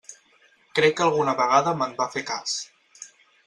Crec que alguna vegada me'n va fer cas.